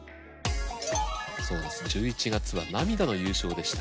そうですね１１月は涙の優勝でした。